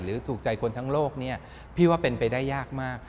ถูกใจคนทั้งโลกเนี่ยพี่ว่าเป็นไปได้ยากมาก